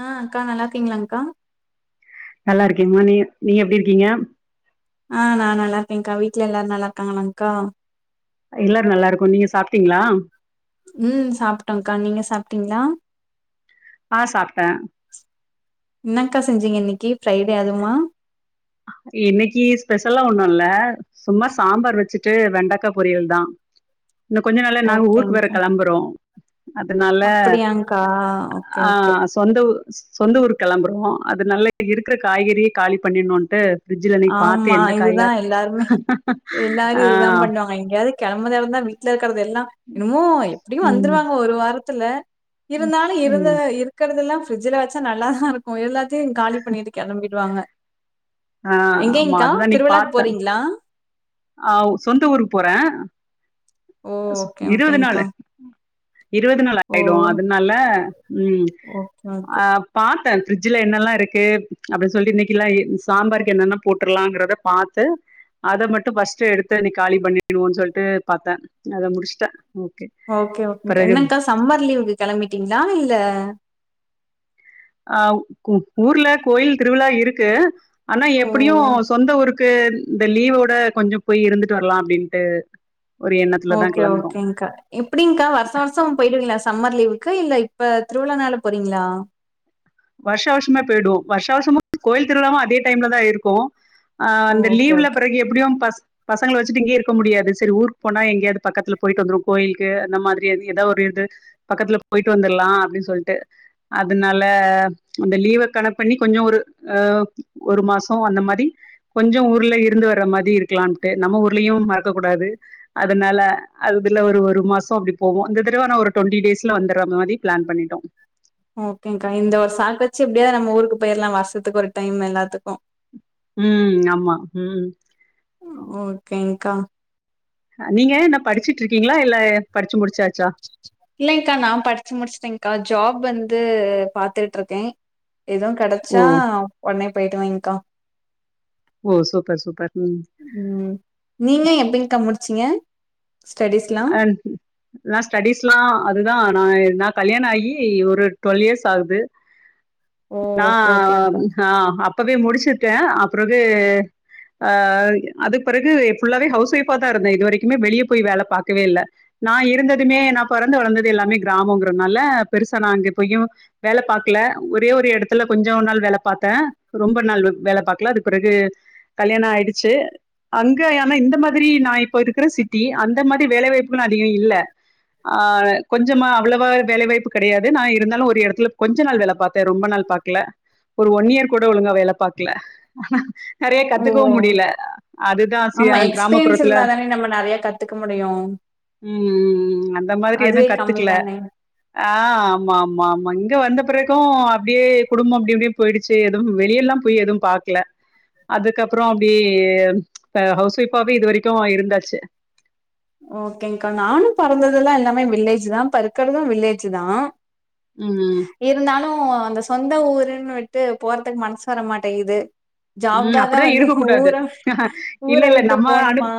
ஆ அக்கா நல்லா இருக்கீங்ளாங்கா நல்லாருக்கும்மா நீ நீங்க எப்பிடி இருக்கீங்க ஆ நா நல்லாருக்கேங்கா வீட்ல எல்லாரு நல்லாருக்காங்களாக்கா எல்லாரு நல்லாருக்கோ நீங்க சாப்பிட்டீங்களா ம் சாப்ட்டோக்கா நீங்க சாப்ட்டீங்ளா ஆ சாப்ட்டே என்னக்கா செஞ்சீங்க இன்னைக்கு ஃப்ரைடே அதுவுமா இன்னைக்கு ஸ்பெஷலா ஒண்ணுல்ல சும்மா சாம்பார் வச்சுட்டு வெண்டைக்கா பொரியல் தா இன்னு கொஞ்ச நாள்ள நாங்க ஊருக்கு வேற ஓகேங்க்கா கெளம்புறோ அதனால அப்படியாங்க்கா ஓகே ஆ ஓகே சொந்த ஊ சொந்த ஊர் கெளம்புறோ அதனால இருக்கிற காய்கறிய காலி பண்ணினுட்டு ஆம்மா இதுதா எல்லாருமே எல்லாரு ஆ, இததா பண்ணுவாங்க எங்கயாது கெளம்பறா தா இருந்தா வீட்ல இருக்கறதல்லா என்னமோ எப்படியு ம், வந்துருவாங்க ஒரு வாரத்துல ம், இருந்தாலும் இருந்த ம். இருக்கிறதெல்லா பிரிட்ஜில வச்சா நல்லாதா இருக் ஓ எல்லாத்தையும் காலி பண்ணிட்டு கெளம்பிடுவாங்க ஆ, ஆமா எங்கேங்க்கா திருவிழாக்கு போறீங்களா ஆவ் சொந்த ஊருக்கு போறே ஓ சோ ஓகே இருவது நாலு ஓகேங்க்கா இருவது நாள் ஓ ஆயிடும் அதனால ம் ஓகே ஓகே அப் பாத்தன் பிரிட்ஜிலே என்னெல்லாம் இருக்கு அப்டின் சொல்ட்டு இன்னைக்கில்லாம் சாம்பாருக்கு என்னென்ன போட்டுறலாம்ங்கிறத பாத்து அத மட்டும் பஃஸ்ட்டு எடுத்து இன்னைக் காலி பண்ணிடுவோம் சொல்ட்டு பாத்தன் அத முடிச்ட்டன் ஓகே ஓகே என்னக்கா சம்மர் லீவுக்கு கெளம்பிட்டீங்களா இல்ல ஆ ஊர்ல கோயில் திருவிழா இருக்கு ஆனா ஓ! எப்டியும் சொந்த ஊருக்கு கு இந்த லீவோட கொஞ்சம் போய் இருந்துட்டு வர்லா அப்டின்ட்டு ஒரு எண்ணத்துல தா கெளம்புறோ எப்டிங்க்கா வர்ஷோ வர்ஷோ அங் போயிடுவீங்ளா சம்மர் லீவுக்கு இல்ல இப்ப திருவிழானால போறீங்ளா வர்ஷோ வர்ஷமே போய்டுவோம் வர்ஷோ வர்ஷோமு கோயில் திருவிழாவும் அதே டைம்ல தா இருக்கோ ஆ ஓ! அந்த ஓகே லீவ்ல ஓகே. பிறகு எப்டியு பஸ் பசங்கள வச்சுட்டு இங்கேயே இருக்க முடியாது செரி ஊருக் போனா எங்கயாவ்து பக்கத்துல போயிட்டு வந்துருவோ கோயிலுக்கு அந்த மாதிரி எதோ ஒரு இது பக்கத்துல போயிட்டு வந்துர்லா அப்டின் சொல்ட்டு அதனால அந்த லீவ கணக் பண்ணி கொஞ்சோ ஒரு அ ஒரு மாசம் அந்த மாதி கொஞ்சோ ஊர்ல இருந்து வர மாதிரி இருக்கலாம்ட்டு நம்ம ஊர்லயும் மறக்க கூடாது அதனால அதுபில்ல ஒரு ஒரு மாசம் அப்டி போவோ இந்த தடவ நா ஒரு டுவெண்டி டேஸ்ல வந்துற மாரி பிளான் பண்ணிட்டோ இந்த ஒரு சாக்கு வச்சு எப்டியாவ்து நம்ம ஊருக்கு போய்ற்லாம் வருஷத்துக்கு ஒரு டைம் எல்லாத்துக்கு ம் ஆமா ம் ஓகேங்க்கா நீங்க என்ன படிச்சுட்டு இருக்கீங்களா இல்ல படிச்சு முடிச்சாச்சா இல்லங்க்கா நா படிச்சு முடிச்சட்டேன்க்கா ஜாப் வந்து பாத்துட்டு இருக்கே எதுவு ஓ! கெடச்சா ஒன்னே போய்டுவேங்க்கா ஓ சூப்பர் சூப்பர் ம் ம் நீங்ளா எப்டிங்க்கா முடிச்சீங்க ஸ்டடீஸ்லாம்? ஆன் ம் நா ஸ்டடிஸ்லா அதுதா நா நா கல்யாண ஆயி ஒரு டுவெல் இயர்ஸ் ஆகுது ஓ! நா ஓகே ஆம் ஓகேங்க்கா. அ அப்பவே முடிச்சிட்ட அப்றவு ஆ அதுக் பெறகு ஃபுல்லாவே ஹவுஸ் ஒய்ஃப்பா தா இருந்தே இதுவரைக்குமே வெளிய போய் வேல பாக் க்கவே இல்ல நா இருந்ததுமே நா பொறந்து வளந்தது எல்லாமே கிராமங்கிறனால பெருசா நா அங்க பொய்யு வேல பாக்ல ஒரே ஒரு எடத்துல கொஞ்சோ நாள் வேல பாத்த ரொம்ப நாள் வேல பாக்கல அதுக் பிறகு கல்யாண ஆயிடுச்சு அங்க ஆனா இந்த மாதிரி நா இப்ப இருக்கிற சிட்டி அந்த மாத் க்கு வேல வாய்ப்புலா அதிக இல்ல ஆ கொஞ்சமா அவ்ளவா வேலைவாய்ப்பு கெடையாது நா இருந்தாலும் ஒரு எடத்துல கொஞ்ச நாள் வேல பாத் இப்ப ரொம்ப நாள் பாக்கல ஒரு ஒன் இயர் கூட ஒழுங்கா வேல பாக்கல நெறைய கத்துக்கவும் ஓ! முடியில அதுதா ஆசியா கிராமப்புறத்துல மாரி நம்ம நெறைய கத் கத்துக்க முடியு ம் ம் ம் அந்த மாதிரி எதுவும் கம்மி கத்துக்ல தானே ஆ ஆமா ஆமா ஆமா இங்க வந்த பிறகும் அப்டியே குடும்பம் அப்டி இப்டி போய்டுச் சேடும் வெளியில போய் எதுவும் பாக்ல அதுக்கப்றோ அப்டியே ஹவுஸ் ஒய்ஃப்பாவே இது வரைக்கும் இருந்தாச்சு ஓகேங்க்கா நானும் பெறந்ததெல்லா எல்லாமே வில்லேஜ் தா இப்ப இருக்கறதும் வில்லேஜ்ஜி தா ம் ம் இருந்தாலும் அந்த சொந்த ஊருன் விட்டு போற்துக்கு மனசு வரமாட்டேங்குது ம் அப்டிதா இருக்கக்கூடாது ஊர இல்லல்ல விட்டு நம்ம அனுப் போணுமா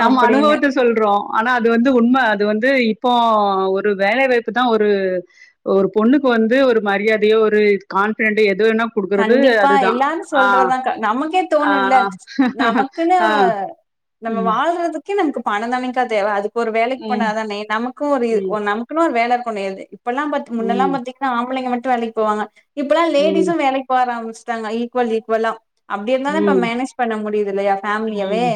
நம்ம அப்படின்னு அனுபவத்த சொல்றோ ஆனா அது வந்து உண்ம அது வந்து இப்போ ஒரு வேலை வாய்ப்பு தா ஒரு ஒரு பொண்ணுக்கு வந்து ஒரு மரியாதையோ ஒரு கான்ஃபிடென்ட் எதுவேனா குடுக்குறது அதுதா சொல்றதா க நமக்கே தோணும்ல நமக்குன்னு ஆ. நம்ம ம். வாழ் போறதுக்கே நமக்கு பணம் தானேக்கா தேவ அதுக் ஒரு வேலைக் போனா ம். தானே நமக்கும் ஒரு ம். ஒன் நமக் இப்பல்லா வேல கொன்னயது இப்பெல்லாம் பாத் முன்னல்லா ம். பாத்தீங்கன்னா ஆம்பளைங்க மட்டும் வேலைக்கு போவாங்க இப்பல்லா ம். லேடிஸும் வேலைக் போவ ஆரம்பிஷ்ட்டாங்க ஈக்வல் ஈக்வலா அப்டி இருந்த தா இப்ப ம். மேனேஜ் பண்ண முடியுது இல்லயா ஃபேமிலியவே ம்.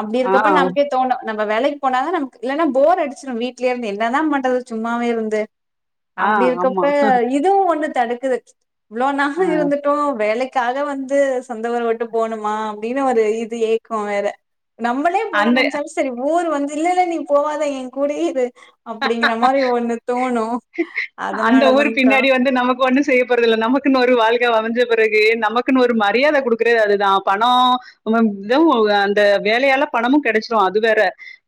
அப்டி ஆ. இருக்கப்ப நமக்கே தோணும் நம்ப வேலைக்கு போனா தா நமக்கு இல்லன்னா போர் அடிச்சிடும் வீட்லயே இருந்து என்ன தா பண்றது சும்மாவே இருந்து ஆ. அப்டி இருக்கப்ப ஆமா. இதுவும் ஒண்ணு தடுக்குது இவ்ளோ அ. நாள் இருந்துட்டோம் வேலைக் க்காக வந்து சொந்த ஊரவுட்டு போணுமா அப்டினு ஒரு இது ஏக்கோம் வேற நம்மளே போனு அந்த நெனைச்சாலு சரி ஊர் வந்து இல்லல்ல நீ போவாதா எ கூடயே இரு அப்டிங்கிற மாரி ஒண்ணு தோணு அந்த ஊர் அதனாலதாக்கா பின்னாடி வந்து நமக்கு ஒன்னு செய்யப் போறதுல்ல நமக்குன் ஒரு வாழ்க்க அமைஞ்ச பெறகு நமக்குன் ஒரு மரியாத குடுக்கறதே அதுதா பணோ நம இதுவு அந்த வேலையால பணமு கெடைச்சிடு அது வேற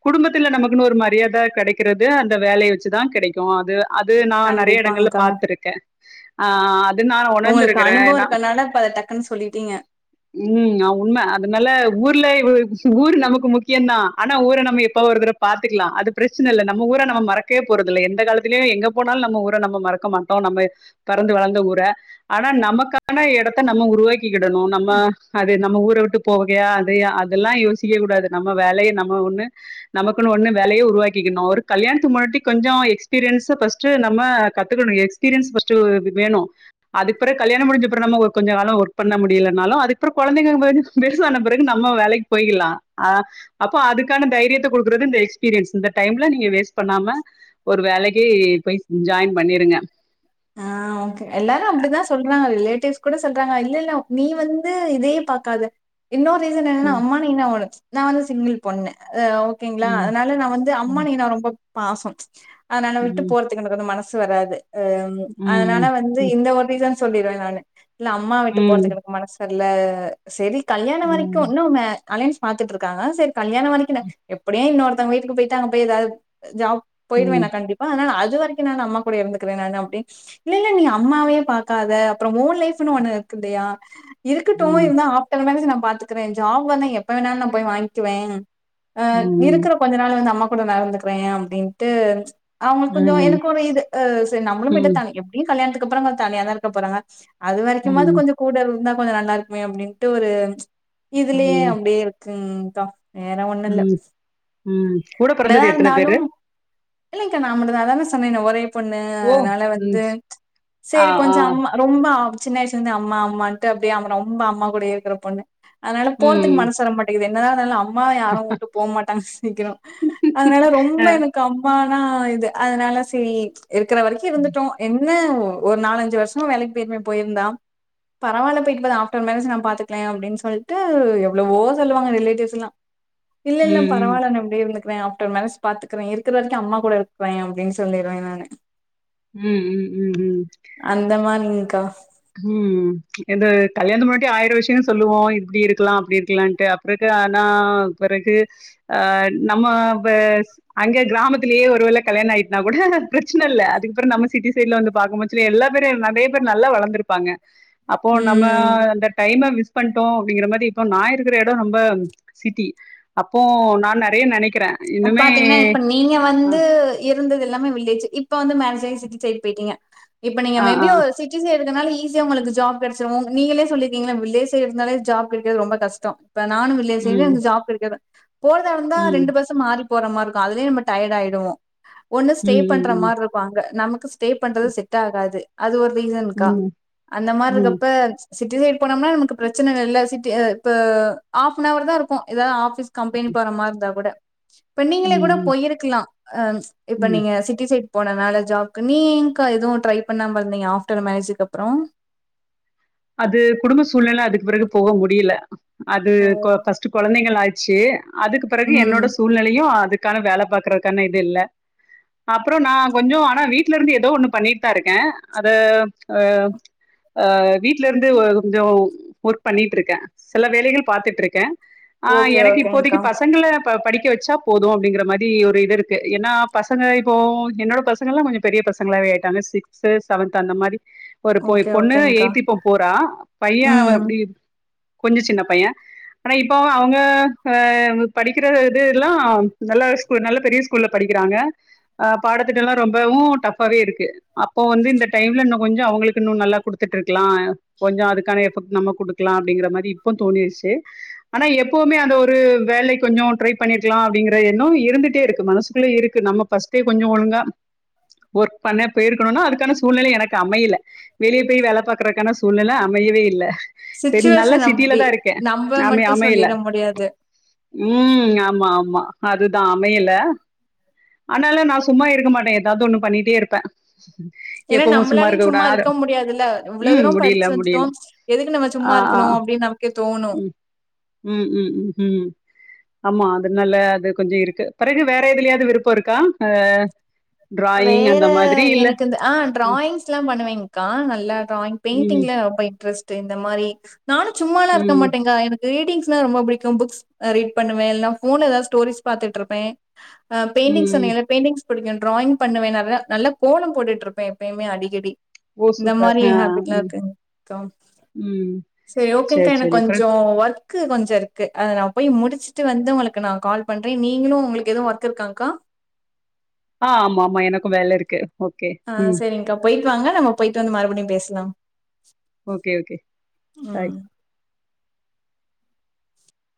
குடும்பத்துல நமக்குனு ஒரு மரியாத கெடைக்கிறது அந்த வேலைய வச்சிதா கெடைக்கு அது அது நா நெறைய எடங்கள்ல கண்டிப்பாங்க்கா பாத்துருக்க ஆ அது நா ஒணர்ந்திருக்கிறே ஏன்னா கன் சொல்லிட்டீங்க ம் ஆ உண்ம அதனால ஊர்ல ஊரு நமக்கு முக்கியம் தான் ஆனா ஊர நம்ம எப்பவோ ஒரு தட பாத்துக்கலா அது பிரச்சன இல்ல நம் நம்ம ஊர நம்ம மறக்யே போறதுல்ல எந்த காலத்தியுலேயும் எங்க போனாலும் நம்ம ஊர நம்ம மறக்க மாட்டோம் நம்ம பெறந்து வளந்த ஊர ஆனா நமக்கான எடத்த நம்ம உருவாக்கிக்கிடணும் நம்ம அ த நம்ம ஊர விட்டு போகையா அது அதெல்லா யோசிக்க கூடாது நம்ம வேலைய நம்ம ஒண்ணு நமக்குன்னு ஒண்ணு வேலைய உருவாக்கிக்கணு ஒரு கல்யாணத்து முன்னாட்டி கொஞ்ச எஸ்பீரியன்ஸ ஃபஸ்ட் நம்ம கத்துக்கணு எக்ஸ்பீரியன்ஸ் ஃபஸ்ட் வேணு அதுக்கு பிறகு கல்யாண முடிஞ்சப்புற நம்ம கொஞ்ச காலம் ஒர்க் பண்ண முடியலனாலு அதுக்குப்புற கொழந்தைங்கனு போது பெருசான பிறகு நம்ம வேலைக்கு போயிக்கலா ஆ அப்போ அதுக்கான தைரியத்தை குடுக்குறது இந்த எக்ஸ்பீரியன்ஸ் இந்த டைம்ல நீங்க வேஸ்ட் பண்ணாம ஒரு வேலைக்கி போய் ஜாயின் பண்ணிருங்க ஆ ஒகே எல்லாரு அப்படிதா சொல்றாங்க ரிலேட்டிவ்ஸ் கூட சொல்றாங்க இல்ல இல்ல நீ வந்து இதயே பாக்காத இன்னொரு ரீசன் என்னென்னா ம் அம்மானீன்ன நா வந்து சிங்கிள் பொண்ணு ஓகேங்களா ம் அதனால நா வந்து அம்மா ம் நீ நா ரொம்ப பாசம் அதன விட்டு ம் போற துகுனு வந்து மனசு வராது அதனால ம் வந்து இந்த ஒரு ரீசன் சொல்லிருவே நானு இல்ல அம்மா விட்டு ம் போறதுக்கு எனக்கு மனசு வர்ல சரி கல்யாணம் ம் வரைக்கும் இன்னும் ம அலையன்ஸ் பாத்துட்டு இருக்காங்க சரி கல்யாணம் வரைக்கு எப்படியே இன்னொருத்தவங்க வீட்டுக்கு போயிட்டா அங்க போய் ஏதாது ஜாப் போயிருவே ம் நா கண்டிப்பா ஆனா அது வரைக்கும் நா அம்மா கூட இருந்துகிறேன் நா அப்டின் இல்ல இல்ல நீ அம்மாவே பாக்காத அப்புற உ லைஃப்னு ஒண்ணு இருக்குல்லையா இருக்கட்டு ம் இருந்தா ஆஃப்டர் மேரேஜ் நா பாத்துக்கறே ஜாப் வந்தா எப்ப வேணாலு நா போய் வாங்கிகுவே அ ம் ம் இருக்கற கொஞ்ச நாள் வந்து அம்மா கூட நா இருந்துக்கறேன் அப்டின்ட்டு அவங்களுக் கொஞ்ச ம் எனக்கு ஒரு இது அ சரி நம்பளு போயிட்டு தனி எப்படியு கல்யாணத்துக்கு அப்புறமா தனியாதா இருக்க போறாங்க அது வரைக்குமாவது ம் கொஞ்ச கூட இருந்தா கொஞ்ச நல்லா இருக்குமே அப்டின்ட்டு ஒரு இதுலயே ம் அப்டியே இரு ந்தா வேற ஒன்ன இல்ல ம் ம் கூட என்னதா பிறந்தது எத்தன பேரு இருந்தாளும் இல்லைங்கா நா மட்டுதா அதானே சொன்னேனே ஒரே பொண்ணு ஓ அதனால ம் வந்து ஆ சரி கொஞ்ச ஆ அம்மா ரொம்ப சின்ன வயசுல இருந்து அம்மா அம்மான்ட்டு அப்டியே ரொம்ப அம்மா கூட இருக்கற பொண்ணு அதனால ம் போறதுக்கு மனசு வர மாட்டேங்குது என்னதானாலு அம்மா யாரும் விட்டு போக மாட்டாங்க சீக்கிறோ அதனால ரொம்ப அ எனக்கு அம்மானா இது அதனால செரி இருக்கற வரைக்கு இருந்து எங்க ஒரு நாலஞ்சு வருஷமா வேலைக்கி போயிருப்பே போயிருந்தா பரவால்ல போயிட்டு போது ஆஃப்டர் மேரேஜ் நா பாத்துக்கல அப்டின் சொல்ட்டு எவ்ளோவோ சொல்லுவாங்க ரிலேட்டிவ்ஸ்லா இல்ல இல்ல ம் ம் பரவாயில்ல நா இப்டியே இருந்துக் வே ஆஃப்டர் மேரஜ் பாத்துக்கிறே இருக்கற வரைக்கு அம்மா கூட இருக்கிறே அப்படினு சொல்லிருவே நானு ம் ம் ம் ம் அந்தமாரிங்கக்கா ம் இந்த கல்யாணத்து முன்னாட்டி ஆயிரம் விஷய சொல்லுவோ இப்டி இருக்கலா அப்டி இருக்கலான்ட்டு அப் பேய்ட்டு ஆனா பெறகு ஆ நம்ம பேஸ் அங்க கிராமத்துலயே ஒரு வேள கல்யாண ஆயிட்டுனா கூட பிரச்ன இல்ல அதுக்புற நம்ம சிட்டி சைட்ல வந்து பாக்கும்போது சுல எல்லா பேரு நெறய பேர் நல்லா வளந்திருப்பாங்க அப்போ நம்ம ம் அந்த டைம்ம மிஸ் பண்ட்டோ அப்டிங்கிற மாரி இப்ப நா இருக்குற எடோ ரொம்ப சிட்டி அப்போ நா நறைய நெனைக்க பாத்தீங்கன்னா இப்ப நீங்க வந்து இருந்தது எல்லாமே வில்லேஜு இப்ப வந்து மேரேஜாயி சிட்டி சைட் போய்ட்டீங்க இப்ப நீங்க ஆ, மேபி ஆ. ஒரு சிட் சிட்டி சைட் இருக்கனால ஈஸியா உங்களுக்கு ஜாப் கெடச்சிரு நீங்களே சொல்லிருக்கீங்கள வில்லேஜ் சைட் இருந்தாலே ஜாப் கெடைக்கிறது ரொம்ப கஷ்டோ இப்ப நானு வில்லேஜ் சைடு ம், ஜாப் கிடைக்காது போறதா இருந்தா ரெண்டு ம், பஸ் து மாறி போற மாருக்கும் அதுலயே நம்ம டயடு ஆயடுவோ ஒண்ணு ம், ஸ்டே பண்ற ம், மாதிரி இருப்பாங்க நமக்கு ஸ் ஸ்டே பண்றது செட்டாகாது அது ஒரு ரீசன்க்கா ம், அந்த ம், மார்ருக்கப்ப சிட்டி சைட் போனோம்னா நமக்கு பிரச்சனைக இல்ல சிட்டி இப்ப ஆஃப்னவர் தா இருக்கு ஏதா ஆ ஸ் கம்பெனி போற மார்ருந்தா கூட இப்ப ம், நீங்களே கூட ம், போய்ருக்கலா ஆ இப்ப ம். நீங்க சிட்டி சைட் போனனால ஜாப்க்கு நீங் ஏன்க்கா எதுவு ட்ரை பண்ணாமருந்தீங்க ஆஃப்டர் மேரேஜ்க்கப்றோ அது குடும்ப சூழ்நில அதுக்கு பிறகு போக முடில அது கொ கொழந்தைகள் ஆய்ச்சு அதுக்கு பெறகு என்னோட ம் சூழ்நிலையு அது கான வேல பாக்குறதுக்கான இது இல்ல அப்றோ நா கொஞ்சோ ஆனா வீட்லருந்து எதோ ஒண்ணு பண்ணிட்தாருக்கே அது ஆ ஆ வீட்லருந்து கொஞ்சோ ஒர்க் பண்ணிட்ருக்கே சில வேலைகள் பாத்துட்ருக்கே ஆ ஓகே எனக்கு இப்போதைக்கி ஓகேங்க்கா பசங்ள ப்ப படிக்க வச்சா போது அப்டிங்கற மாரி ஒரு இது இருக்கு ஏனா பசங்க இப்போ என்னோட பசங்கல்லா கொஞ்சோ பெரிய பசங் பசங்ளாவே ஆய்ட்டாங்க சிக்ஸ்த்து செவன்த்து அந்த மாரி ஒரு போய் ஓகே பொண்ணு ஓகேங்க்கா எய்த்து இப்போ தா பையே அவ ம் அப்டி கொஞ்சொ சின்ன பையே ஆனா இப்ப அவுங்க ஆ படிக்கிற இதுல்லா நல்ல ப்ப நல்லா பெரிய ஸ்கூல்ல படிக்கிறாங்க ஆ பாடத்திட்டோலா ரொம்பவு டஃப்ஃபாவேருக்கு அப்போ வந்து இந்த டைம்ல இன்னு கொஞ்சோ அவுங்களுக்கு இன்னு நல்லா குடுத்துட்ருக்கலா கொஞ்ச அதுக்கான எஃபோட் நம்ம குடுக்கலா அப்டிங்கிற மாரி இப்போ தோணிருச்சி ஆனா எப்பவுமே அந்த ஒரு வேலை கொஞ்சோ ட்ரை பண்ணிர்க்லா அப்டிங்கற எண்ணோ இருந்துட்டேருக்கு மனசுக்குள்ளே இருக்கு நம்ம ஃபஸ்ட்டே கொஞ்சோ ஒழுங்கா ஒர்க் பண்ண போயிருக்கணுனா அதுக்கான சூழ்நிலை எனக்கு அமையல வெளிய போய் வேல பாக்கறக்கான சூழ்நில அமையவே இல்ல பெ நல்ல சிச்சுவேஷன் சிட்டில அப்டி தாருக்கே நம்ப அமி மட்டு அமைய‌ல சொல்லிட முடியாது ம் ஆமாமா அதுதா அமையல ஆனாலு நா சும்மாருக்க மாட்டே எதாவ்து ஒண்ணு பண்ணிட்டேருப்பே ஏன்னா எப்பவு நம்மளாலயு சும்மாருக்க கூடாதா ம் முடியல, முடியல. சேந்துட்டோம் எதுக்கு நம்ம ஆ, ஆ. சும்மாருக்கணு அப்டின் நம்க்கே தோனு ம். ம் ம் ம் ம் ஆமா அதுனால அது கொஞ்சோ இருக்கு பெறகு வேற எதுலயாது விருப்போருக்கா ஆ வேற எனக்கு இந்த ஆ ம், டிராயிங்ஸ்லா பண்ணுவேங்க்கா நல்லா டிராயிங் ம், பெயிண்டிங்ல ரொம்ப இன்ட்ரெஸ்ட் இந்த மாரி நானு சும்மாலா இருக்க ம், மாட்டேங்க எனக் ரீடிங்ஸ்னா ரொம்ப புடிக்கு புக்ஸ் ரீட் பண்ணுவே இல்லனா ஃபோன்ல எதாவ்து ஸ்டோரிஸ் பாத்துட்ருப்பே ஆ பெயிண்டிங் ம். சொன்னீங்கள பெயிண்டிங்ஸ் புடிக்கு டிராயிங் பண்ணுவே நற்ரா நல்லா கோலோ போட்டுட்ருப்பே எப்பயுமே அடிக்கடி ஓ! இந்த சூப்பர். மாரி ஆ, ஹேப்பிட்லா ம், இருக்குங் தோம் ம். சேரி ஓகேங்க்கா சரி, எனக்கு சரி. பிறகு கொஞ்சோ ஒர்க் க்கு கொஞ்ச இருக்கு அத நா போய் முடிச்சுட்டு வந்து உங்களுக்கு நா கால் பண்றே நீங்களு உங்களுக்கு எதுவு ஒர்க் இருக்காங்க்கா ஆ ஆமாமா எனக்கு வேலருக்கு ஆ செரிங்க்கா போய்ட்வாங்க நம்ம போய்ட்டு வந்து மறுப்டி பேசலா ஓகே ஓகே ம். பாய்